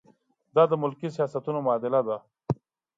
دا د ملکي سیاستونو معادله ده.